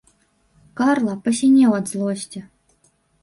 Карла пасінеў ад злосці.